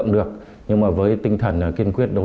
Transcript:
rồi mình chở đi